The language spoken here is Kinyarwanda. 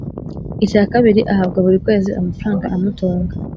Icya kabiri ahabwa buri kwezi amafaranga amutunga